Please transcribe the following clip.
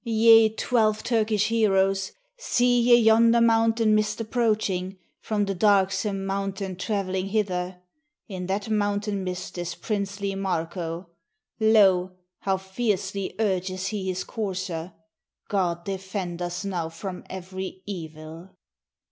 ye, twelve Turkish heroes! See ye yonder mountain mist approaching, From the darksome mountain traveling hither? In that mountain mist is princely Marko; Lo! how fiercely urges he his courser! God defend us now from every evil!"